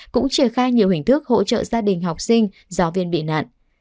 cũng triển khai nhiều hình thức hỗ trợ gia đình học sinh giáo viên bị nạn